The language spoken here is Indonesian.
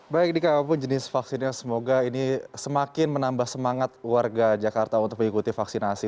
baik dika apapun jenis vaksinnya semoga ini semakin menambah semangat warga jakarta untuk mengikuti vaksinasi